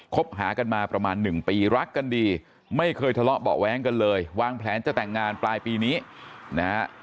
หากันมาประมาณหนึ่งปีรักกันดีไม่เคยทะเลาะเบาะแว้งกันเลยวางแผนจะแต่งงานปลายปีนี้นะฮะ